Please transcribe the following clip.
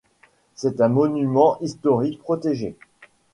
C'est un monument historique protégé.